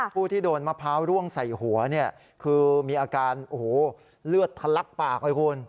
ผู้ที่โดนมะพร้าวร่วงใส่หัวคือมีอาการเลือดทะลักปาก